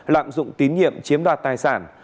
lạm dụng tín nhiệm chiếm đoạt tài sản